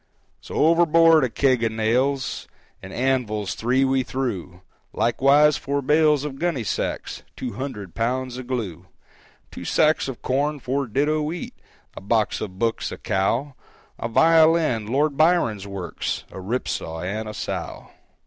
So overboard a keg of nails And anvils three we threw, Likewise four bales of gunny sacks, Two hundred pounds of glue, Two sacks of corn, four ditto wheat, A box of books, a cow, A violin, Lord Byron's works, A rip saw and a sow.